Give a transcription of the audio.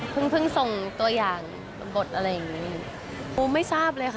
เพิ่งส่งตัวอย่างบทอะไรอย่างนี้